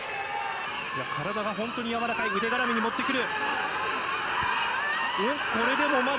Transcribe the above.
体が本当に柔らかい、腕がらめに持ってくる。